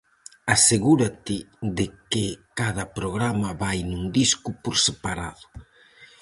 Asegúrate de que cada programa vai nun disco por separado.